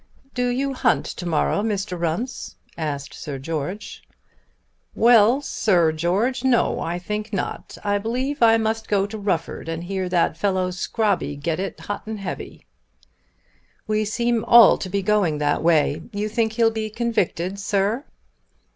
"Do you hunt to morrow, Mr. Runce?" asked Sir George. "Well, Sir George, no; I think not. I b'lieve I must go to Rufford and hear that fellow Scrobby get it hot and heavy." "We seem all to be going that way. You think he'll be convicted, Sir?"